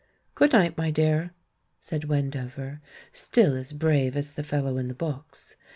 "Good night, my dear," said Wendover, still as brave as the fellow in the books.